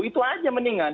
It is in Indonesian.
itu saja mendingan